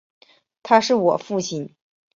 他是我父亲